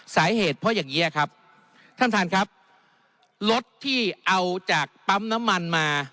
สาเหตุเพราะอย่างเงี้ยครับท่านท่านครับรถที่เอาจากปั๊มน้ำมันมา